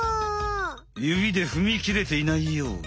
ゆびでふみきれていないようね。